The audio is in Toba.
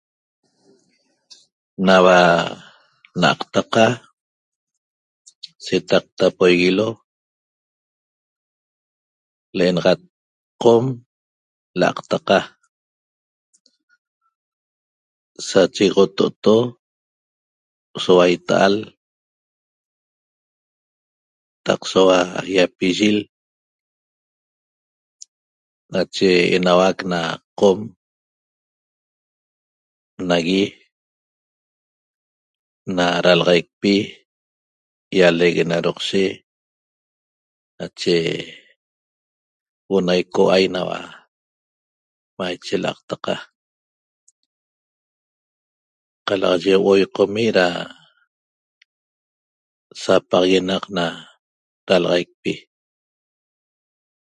Naua n'aqtaqa setaqtapoiguilo l'enaxat Qom L'aqtaqa sachegoxoto'oto soua ita'al taq soua iapiyil nache enauac na Qom nagui na dalaxaicpi ýaleeguet na Doqshe nache huo'o icoua'ai naua maiche l'aqtaqa qalaxaye huo'oi qomi' da sapaxaguenaq na dalaxaicpi